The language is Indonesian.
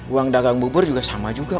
uang dagang bubur juga sama juga